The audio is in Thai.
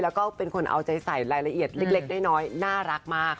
แล้วก็เป็นคนเอาใจใส่รายละเอียดเล็กน้อยน่ารักมาก